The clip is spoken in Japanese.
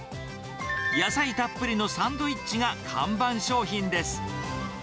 野菜たっぷりのサンドイッチが看板商品です。